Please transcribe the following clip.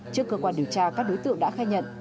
trước cơ quan điều tra các đối tượng đã khai nhận